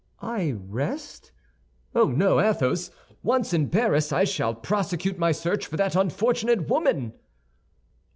"I rest? Oh, no, Athos. Once in Paris, I shall prosecute my search for that unfortunate woman!"